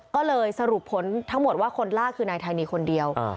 ก็เลยสรุปผลทั้งหมดว่าคนล่าคือนายธานีคนเดียว